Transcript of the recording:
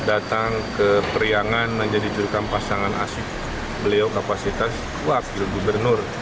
datang ke periangan menjadi jurukam pasangan asyik beliau kapasitas wakil gubernur